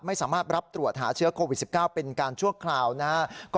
ไม่สามารถรับตรวจหาเชื้อโควิด๑๙เป็นการชั่วคราวนะครับ